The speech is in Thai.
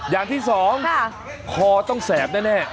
อย่างที่สองคอต้องแสบแน่